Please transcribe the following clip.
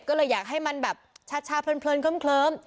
ก็เลยอยากให้มันแบบชาเพลินเคลิ้ม